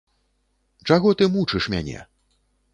Чаго ты мучыш мяне?